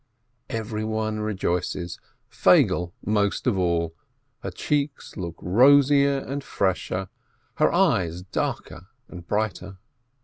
Everyone rejoices, Feigele most of all, her cheeks look rosier and fresher, her eyes darker and brighter.